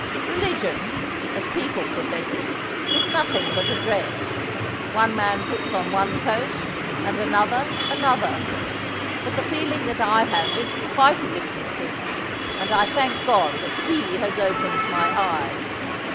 Religion, as people profess it, is nothing but a dress. One man puts on one coat, and another another. But the feeling that I have is quite a different thing, and I thank God that He has opened my eyes.